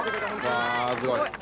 わあすごい。